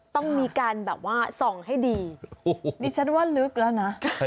ต้องมีการแบบว่าส่องให้ดีดิฉันว่าลึกแล้วนะ